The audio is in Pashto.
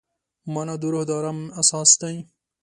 مانا د روح د ارام اساس دی.